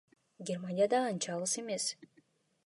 Германия да анча алыс эмес.